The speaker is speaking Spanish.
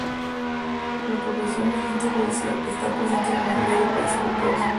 La profesión de agente judicial está presente en la mayoría de países europeos.